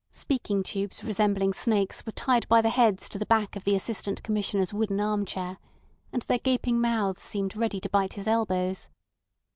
Speaking tubes resembling snakes were tied by the heads to the back of the Assistant Commissioner's wooden arm chair, and their gaping mouths seemed ready to bite his elbows.